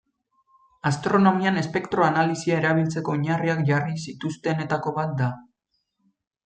Astronomian espektro-analisia erabiltzeko oinarriak jarri zituztenetako bat da.